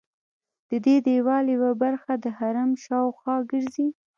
ددې دیوال یوه برخه د حرم شاوخوا ګرځي.